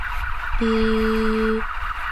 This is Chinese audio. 二磷酸腺苷是一种核苷酸。